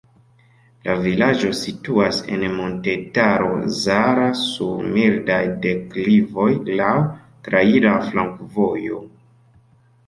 La vilaĝo situas en Montetaro Zala sur mildaj deklivoj, laŭ traira flankovojo.